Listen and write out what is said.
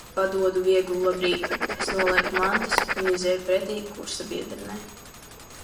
Padodu vieglu labrīt. Es nolieku mantas un izeju pretī kursabiedrenei.